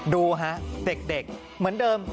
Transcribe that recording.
ดูฮะเด็กเหมือนเดิม